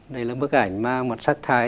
đây là bức ảnh mang một sắc thái